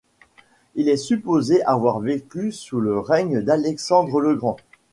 Il est supposé avoir vécu sous le règne d'Alexandre le Grand.